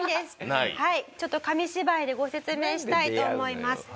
ちょっと紙芝居でご説明したいと思います。